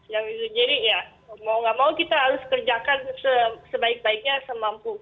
jadi ya mau gak mau kita harus kerjakan sebaik baiknya semampu